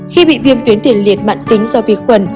khi bị viêm tuyến tiền liệt mạng tính do vi khuẩn